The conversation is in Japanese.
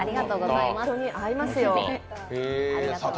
本当に合いますよ。